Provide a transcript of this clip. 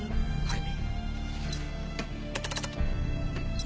はい。